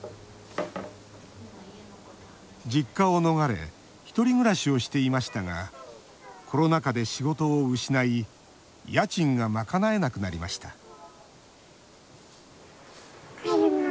実家を逃れ１人暮らしをしていましたがコロナ禍で仕事を失い家賃が賄えなくなりました